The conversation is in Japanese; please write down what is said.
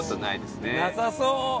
なさそう。